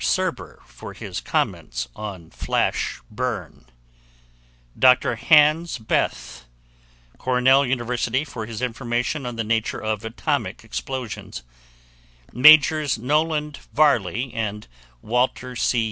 Serber, for his comments on flash burn, Dr. Hans Bethe, Cornell University, for his information of the nature of atomic explosions, Majors Noland Varley and Walter C.